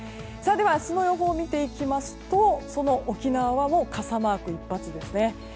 では明日の予報を見ていきますとその沖縄は傘マーク一発ですね。